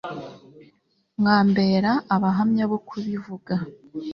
mwambera abahamya bo kubivuga